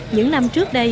những năm trước